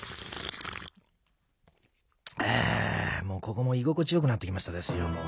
もうここもいごこちよくなってきましたですよ。